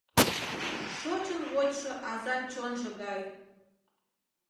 Шочын вочшо азан чонжо гай